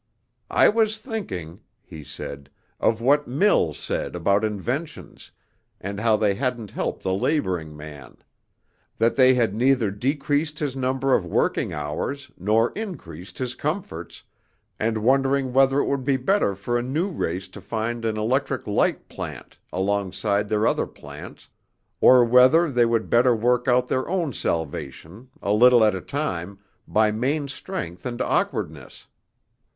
"I was thinking," he said, "of what Mill said about inventions, and how they hadn't helped the laboring man; that they had neither decreased his number of working hours, nor increased his comforts, and wondering whether it would be better for a new race to find an electric light plant alongside their other plants, or whether they would better work out their own salvation, a little at a time, by main strength and awkwardness.